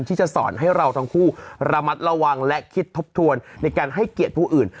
ที่จะสอนให้เราทั้งคู่ระมัดระวังและคิดทบทวนในการให้เกียรติผู้อื่น